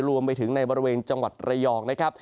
รวมไปถึงในบริเวณจังหวัดระยอง